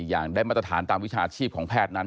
อย่างได้มาตรฐานตามวิชาชีพของแพทย์นั้น